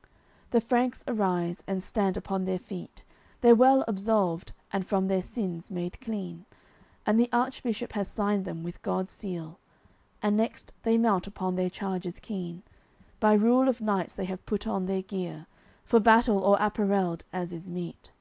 XC The Franks arise, and stand upon their feet, They're well absolved, and from their sins made clean, And the Archbishop has signed them with God's seal; And next they mount upon their chargers keen; By rule of knights they have put on their gear, For battle all apparelled as is meet.